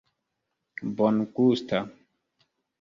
bongusta